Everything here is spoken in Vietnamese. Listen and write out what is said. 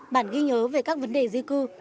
bản ghi nhớ về các vấn đề di cư